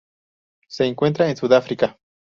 Se encuentra en Sudáfrica.